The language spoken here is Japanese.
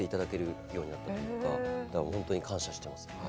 本当に感謝しています。